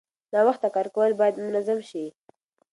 ناوخته کار کول باید منظم شي.